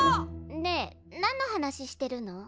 ねえ何の話してるの？